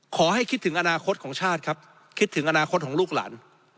ขอให้คิดถึงอนาคตของชาติครับคิดถึงอนาคตของลูกหลาน